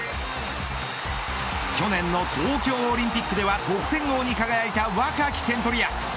去年の東京オリンピックでは得点王に輝いた若き点取り屋。